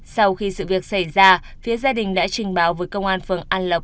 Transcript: sau khi sự việc xảy ra phía gia đình đã trình báo với công an phường an lộc